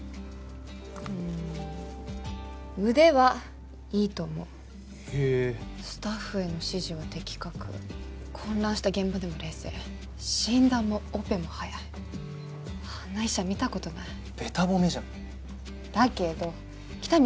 うーん腕はいいと思うへえスタッフへの指示は的確混乱した現場でも冷静診断もオペもはやいあんな医者見たことないベタぼめじゃんだけど喜多見